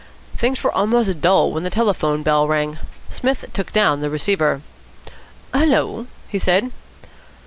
Things were almost dull when the telephone bell rang. Psmith took down the receiver. "Hullo?" he said.